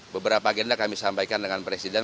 beberapa agenda kami sampaikan dengan presiden